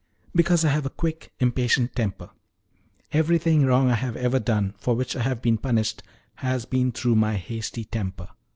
Because I have a quick, impatient temper. Everything wrong I have ever done, for which I have been punished, has been through my hasty temper."